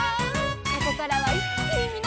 「ここからはいっきにみなさまを」